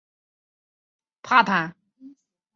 帕坦王宫广场是尼瓦尔建筑的重要代表作。